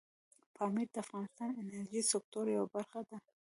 پامیر د افغانستان د انرژۍ سکتور یوه برخه ده.